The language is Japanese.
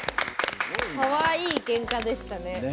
かわいいけんかでしたね。